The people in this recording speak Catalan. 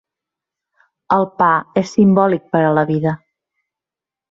El pa és simbòlic per a la vida.